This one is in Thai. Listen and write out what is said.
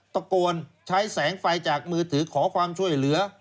ตะโกนใช้แสงไฟจากมือถือขอความช่วยเหลือ